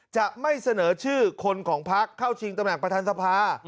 จะไม่เสนอชื่อคนของพักเข้าชิงตำแหน่งประธานสภา